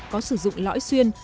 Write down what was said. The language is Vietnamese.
có sử dụng lõi xuyên